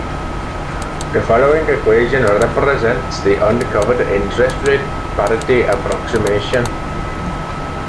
The following equation represents the uncovered interest rate parity approximation.